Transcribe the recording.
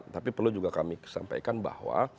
tapi perlu juga kami sampaikan bahwa